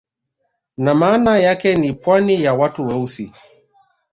Na maana yake ni pwani ya watu weusi